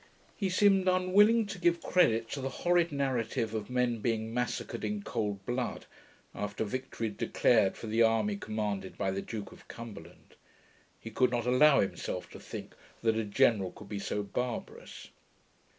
He seemed unwilling to give credit to the horrid narrative of men being massacred in cold blood, after victory had declared for the army commanded by the Duke of Cumberland. He could not allow himself to think that a general could be so barbarous.